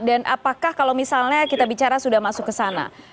dan apakah kalau misalnya kita bicara sudah masuk ke sana